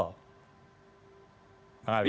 baik tapi apakah bisa dipastikan nih besok akan ada reshuffle